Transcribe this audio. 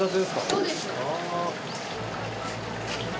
そうです。